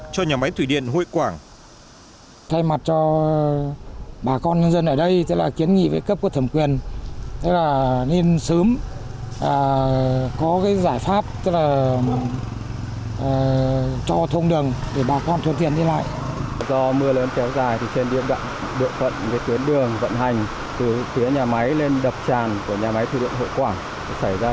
của nhà máy thủy điện hội quảng